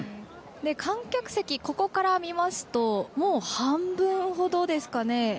観客席、ここから見ますともう半分ほどですかね。